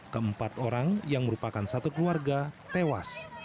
keempat orang yang merupakan satu keluarga tewas